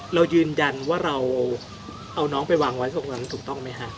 เรายืนยันว่าเราเอาน้องไปวางไว้ตรงนั้นถูกต้องไหมฮะ